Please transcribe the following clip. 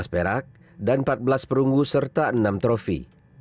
dua belas perak dan empat belas perunggu serta enam trofi